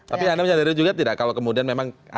tapi anda menyadari juga tidak kalau kemudian memang